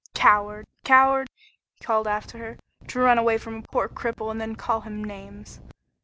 "Coward! Coward!" he called after her, "to run away from a poor old cripple and then call him names."